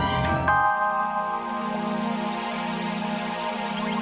apakah juhan tahu juga apa bakalan lagi unsurahnya p computing project ini terjadi dari kita